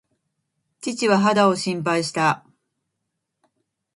父は肌を心配した。